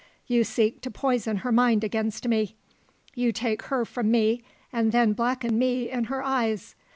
You seek to poison her mind against me. You take her from me and then blacken me in her eyes.